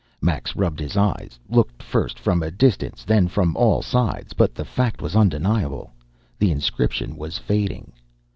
Max rubbed his eyes, looked first from a distance, then from all sides; but the fact was undeniable the inscription was fading.